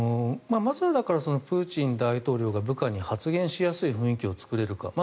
まずはプーチン大統領が部下に発言しやすい雰囲気を作れるか。